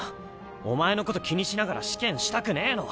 お前のこと気にしながら試験したくねぇの！